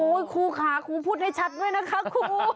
ครูค่ะครูพูดให้ชัดด้วยนะคะครู